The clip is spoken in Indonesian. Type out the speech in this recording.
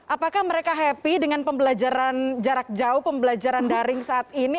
apakah mereka happy dengan pembelajaran jarak jauh pembelajaran daring saat ini